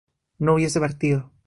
yo hubiese partido